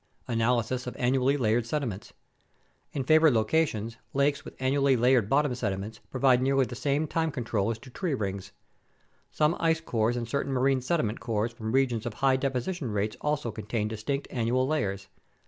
Analysis of Annually Layered Sediments In favored locations, lakes with annually layered bottom sediments provide nearly the same time control as do tree rings. Some ice cores and certain marine sediment cores from regions of high deposition rates also contain distinct annual layers.